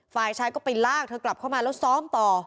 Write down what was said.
ฝ่ายชายก็ไปลากเธอกลับเข้ามาแล้วซ้อมต่อ